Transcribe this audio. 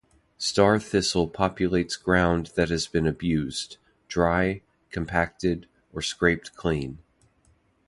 Star Thistle populates ground that has been abused: dry, compacted, or scraped clean.